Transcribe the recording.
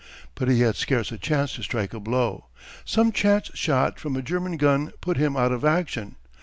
But he had scarce a chance to strike a blow. Some chance shot from a German gun put him out of action.